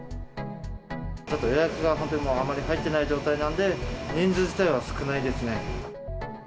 ちょっと予約が本当にあまり入っていない状態なんで、人数自体は少ないですね。